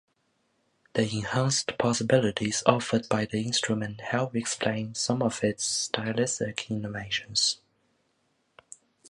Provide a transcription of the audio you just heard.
The enhanced possibilities offered by the instrument help explain some of his stylistic innovations.